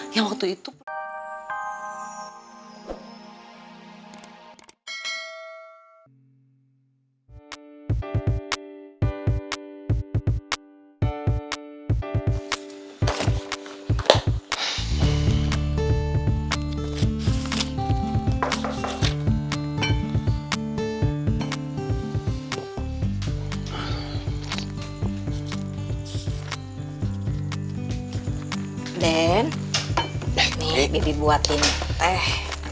dan nih bibi buatin teh